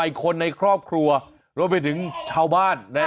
อยนเนี่ยโวยมาถึงทำอะไร